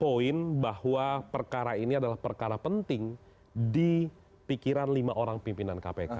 poin bahwa perkara ini adalah perkara penting di pikiran lima orang pimpinan kpk